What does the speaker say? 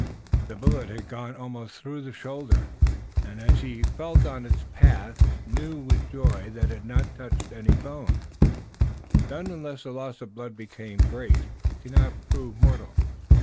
The bullet had gone almost through the shoulder, and as he felt of its path he knew with joy that it had touched no bone. Then, unless the loss of blood became great, it could not prove mortal.